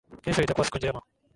Kesho itakua siku njema